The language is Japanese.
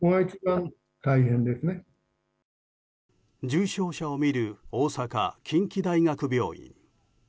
重症者を診る大阪、近畿大学病院。